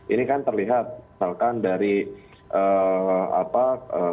ini kan terlihat misalkan dari tni terlibat dalam penemuan pencarian obat covid sembilan belas